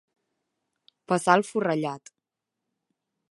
Passar el forrellat.